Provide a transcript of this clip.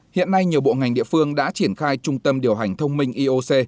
hiện nay nhiều bộ ngành địa phương đã triển khai trung tâm điều hành thông minh eoc